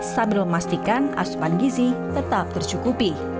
sambil memastikan asupan gizi tetap tercukupi